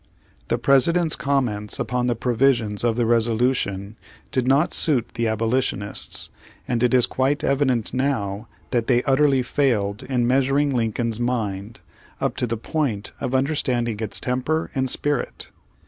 The President's comments upon the provisions of the resolution did not suit the abolitionists, and it is quite evident now that they utterly failed in measuring Lincoln's mind, up to the point of un derstanding its temper and spirit.